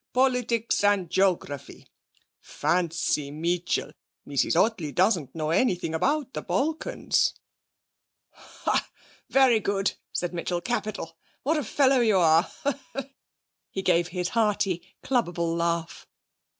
'Politics, and geography! Fancy, Meetchel, Mrs Ottley doesn't know anything about the Balkans!' 'Ha, very good,' said Mitchell. 'Capital. What a fellow you are!' He gave his hearty, clubbable laugh.